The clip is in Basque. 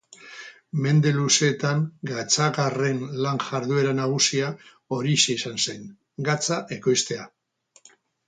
Mende luzeetan gatzagarren lan-jarduera nagusia horixe izan zen: gatza ekoiztea.